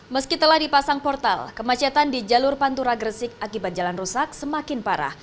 meski telah dipasang portal kemacetan di jalur pantura gresik akibat jalan rusak semakin parah